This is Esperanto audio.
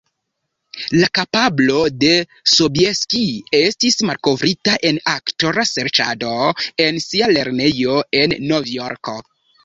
La kapablo de Sobieski estis malkovrita en aktora serĉado en sia lernejo, en Novjorko.